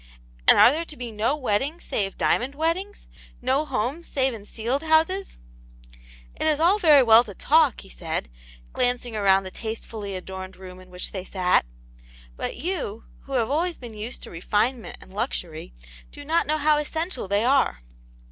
And are there to be no weddings save diamond weddings — no homes save in ceiled houses ?"*' It is all very well to talk," he said, glancing around the tastefully adorned room in which they sat. " But you, who have always been used to re finement and luxury, do not know how essential they are."